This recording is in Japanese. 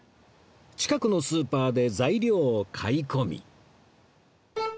近くのスーパーで材料を買い込み